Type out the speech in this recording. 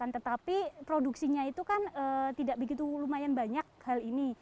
tetapi produksinya itu kan tidak begitu lumayan banyak hal ini